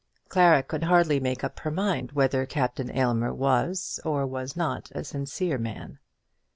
Clara could hardly make up her mind whether Captain Aylmer was or was not a sincere man.